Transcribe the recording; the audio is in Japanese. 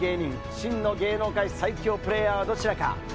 真の芸能界最強プレーヤーはどちらか。